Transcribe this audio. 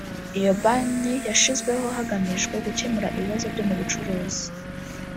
Iyo Banki yashyizweho hagamijwe gukemura ibibazo byo mu bucuruzi